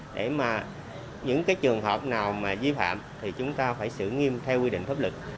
để những trường hợp nào di phạm chúng ta phải xử nghiêm theo quy định pháp lực